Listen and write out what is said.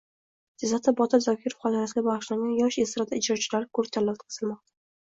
Jizzaxda Botir Zokirov xotirasiga bag‘ishlangan yosh estrada ijrochilari ko‘rik-tanlovi o‘tkazilmoqda